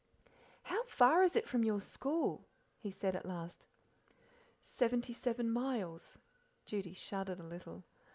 "How far is it from your school?" he said at last. "Seventy seven miles." Judy shuddered a little.